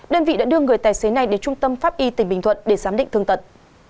đơn vị đã đưa người tài xế này đến trung tâm pháp y tỉnh bình thuận để giám định thương tật